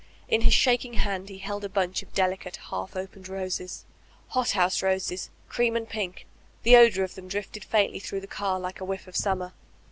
In his shaking hand he held a bunch of delicate half opened roses, hot house roses, cream and pink; the odor of them drifted faintly through the car like a whiff of summer.